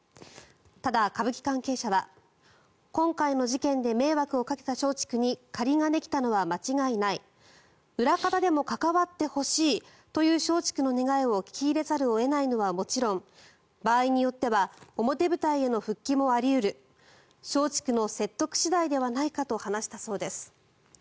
ただ、歌舞伎関係者は今回の事件で迷惑をかけた松竹に借りができたのは間違いない裏方でも関わってほしいという松竹の願いを聞き入れざるを得ないのはもちろん場合によっては表舞台への復帰もあり得る松竹の説得次第ではないかと話したそうです。